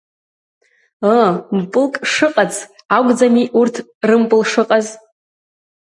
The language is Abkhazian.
Ыы, мпылк шыҟац акәӡами урҭ рымпыл шыҟаз?